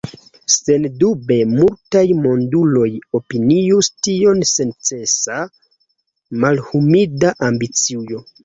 Sendube multaj monduloj opinius tion sensenca, malhumila ambicio.